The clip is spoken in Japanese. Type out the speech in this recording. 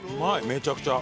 めちゃくちゃ。